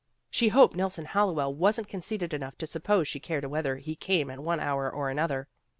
She hoped Nelson Hallowell wasn't conceited enough to suppose she cared whether he came at one hour or another.